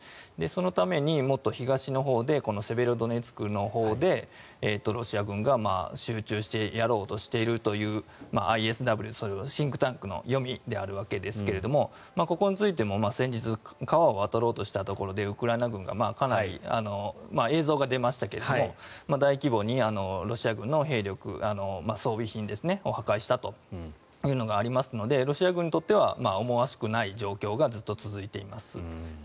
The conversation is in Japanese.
そのためにもっと東のほうでセベロドネツクのほうでロシア軍が集中してやろうとしているというＩＳＷというシンクタンクの読みであるわけですがここについても先日川を渡ろうとしたところでウクライナ軍がかなり映像が出ましたけれども大規模にロシア軍の兵力、装備品を破壊したというのがありますのでロシア軍にとっては思わしくない状況がずっと続いています。